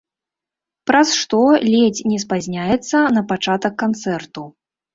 Праз што ледзь не спазняецца на пачатак канцэрту.